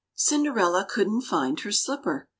INDERELLA couldn't find her slipper.